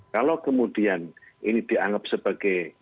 kalau kemudian ini dianggap sebagai